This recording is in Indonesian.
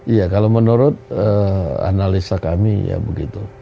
iya kalau menurut analisa kami ya begitu